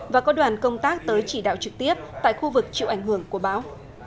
và có đoàn công tác tới chỉ đạo trực tiếp tại khu vực chịu ảnh hưởng của bão